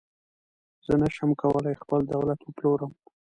زه نشم کولای خپل دولت وپلورم.